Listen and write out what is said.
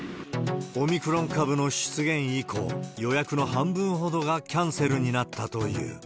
オミクロン株の出現以降、予約の半分ほどがキャンセルになったという。